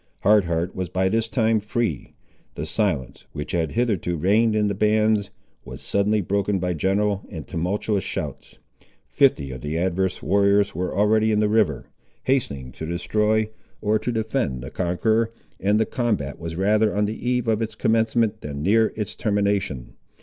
Hard Heart was by this time free. The silence, which had hitherto reigned in the bands, was suddenly broken by general and tumultuous shouts. Fifty of the adverse warriors were already in the river, hastening to destroy or to defend the conqueror, and the combat was rather on the eve of its commencement than near its termination.